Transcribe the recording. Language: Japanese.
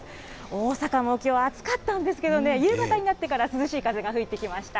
大阪もきょう暑かったんですけど、夕方になってから涼しい風が吹いてきました。